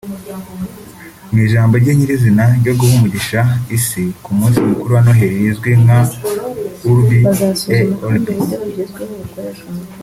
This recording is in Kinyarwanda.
Mu ijambo rye nyirizina ryo guha umugisha isi ku munsi mukuru wa Noheli rizwi nka Urbi et Orbi